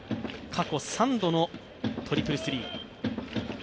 過去３度のトリプル・スリー。